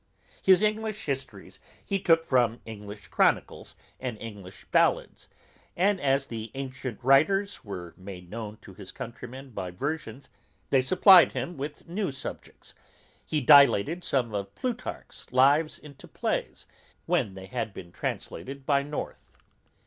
_ His English histories he took from English chronicles and English ballads; and as the ancient writers were made known to his countrymen by versions, they supplied him with new subjects; he dilated some of Plutarch's lives into plays, when they had been translated by North.